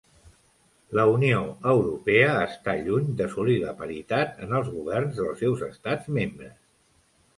La Unió Europea està lluny d'assolir la paritat en els governs dels seus estats membres.